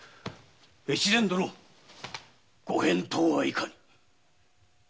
大岡殿ご返答はいかに